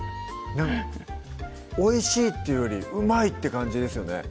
「おいしい」っていうより「うまい！」って感じですよね